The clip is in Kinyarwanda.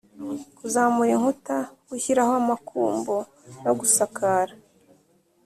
kuzamura inkuta, gushyiraho amakumbo, no gusakara